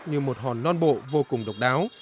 như một hòn non bộ vô cùng độc đáo